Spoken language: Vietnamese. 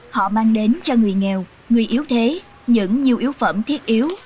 họ mang đến cho người nghèo người yếu thế những nhu yếu phẩm thiết yếu